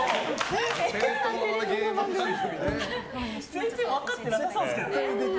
全然分かってなさそうですけどね。